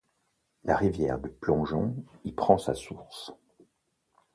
La rivière du Plongeon y prend sa source.